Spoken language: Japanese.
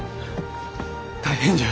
大変じゃ。